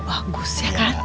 bagus ya kan